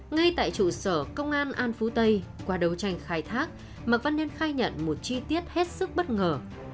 ngay tại trụ sở công an an phú tây qua đấu tranh khai thác mạc văn nên khai nhận một chi tiết hết sức bất ngờ